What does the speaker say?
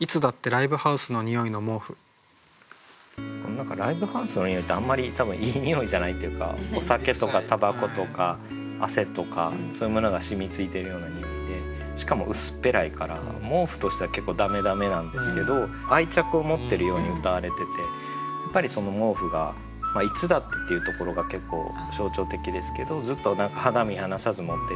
何かライブハウスの匂いってあんまり多分いい匂いじゃないっていうかお酒とかたばことか汗とかそういうものが染みついてるような匂いでしかも薄っぺらいから毛布としては結構駄目駄目なんですけど愛着を持ってるようにうたわれててやっぱりその毛布が「いつだって」っていうところが結構象徴的ですけどずっと何か肌身離さず持ってるような。